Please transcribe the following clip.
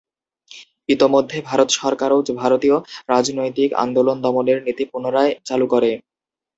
ইতোমধ্যে ভারত সরকারও ভারতীয় রাজনৈতিক আন্দোলন দমনের নীতি পুনরায় চালু করে।